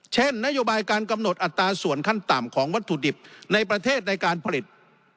เช่นนโยบายการกำหนดอัตราส่วนขั้นต่ำของวัตถุดิบในประเทศในการผลิต